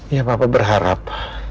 ya papa berharap